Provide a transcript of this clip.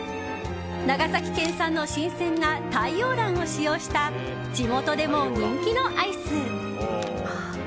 長崎県産の新鮮な太陽卵を使用した地元でも人気のアイス。